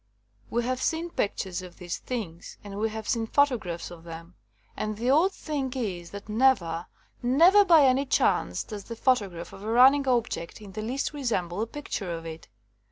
We have seen pic tures of these things, and we have seen pho tographs of them ; and the odd thing is that never, never by any chance does the photo grai3h of a running object in the least re semble a picture of it.